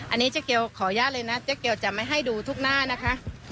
อันนี้เจ๊เกียวขออนุญาตเลยนะเจ๊เกียวจะไม่ให้ดูทุกหน้านะคะ